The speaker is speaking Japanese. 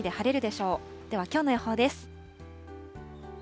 ではきょうの予報です。